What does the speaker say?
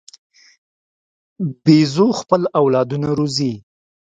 بیزو خپل اولادونه روزي.